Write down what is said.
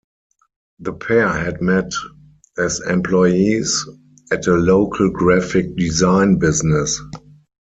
The pair had met as employees at a local graphic design business.